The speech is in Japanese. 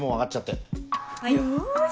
よし！